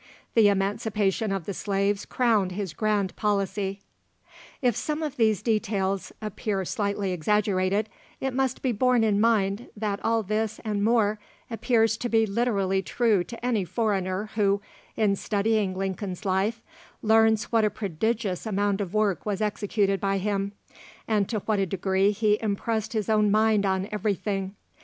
The emancipation of the slaves crowned his grand policy." If some of these details appear slightly exaggerated, it must be borne in mind that all this and more appears to be literally true to any foreigner who, in studying Lincoln's life, learns what a prodigious amount of work was executed by him, and to what a degree he impressed his own mind on everything.